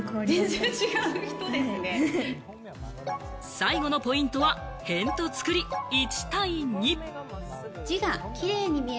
最後のポイントは、へんとつくり、１対２。